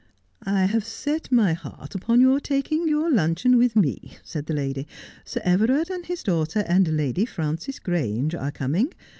' I have set my heart upon your taking your luncheon with me,' said the lady. ' Sir Everard and his daughter, and Lady Frances Grange are coming.